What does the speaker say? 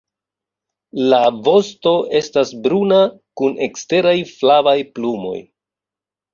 La vosto estas bruna kun eksteraj flavaj plumoj.